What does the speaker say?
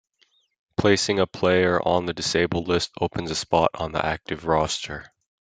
Placing a player on the disabled list opens a spot on the active roster.